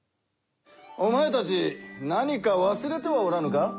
おまえたち何かわすれてはおらぬか。